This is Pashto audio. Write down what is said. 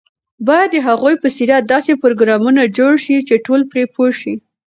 باید د هغوی په سیرت داسې پروګرامونه جوړ شي چې ټول پرې پوه شي.